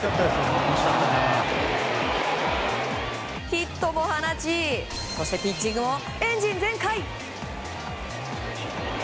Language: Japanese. ヒットも放ちピッチングもエンジン全開！